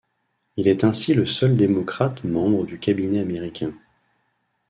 Il est ainsi le seul démocrate membre du cabinet américain.